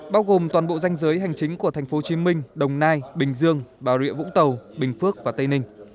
bao gồm toàn bộ danh giới hành chính của thành phố hồ chí minh đồng nai bình dương bà rịa vũng tàu bình phước và tây ninh